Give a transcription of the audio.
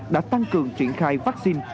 đã tăng cường triển khai vaccine